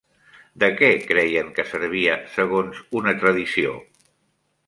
De què creien que servia segons una tradició?